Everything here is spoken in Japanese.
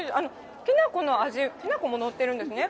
きな粉の味、きな粉も載ってるんですね。